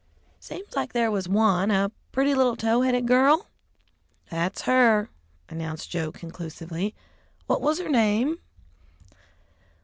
"Seems like there was one, a pretty little tow headed girl." "That's her," announced Joe conclusively. "What was her name?"